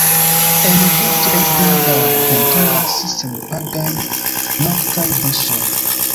En Gento ekde la veturas senpagaj noktaj busoj.